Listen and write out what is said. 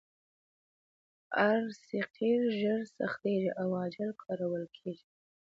ار سي قیر ژر سختیږي او عاجل کارول کیږي